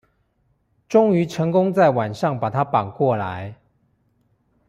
終於成功在晚上把他綁過來